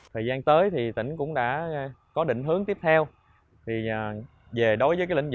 thời gian tới thì tỉnh cũng đã có định hướng tiếp theo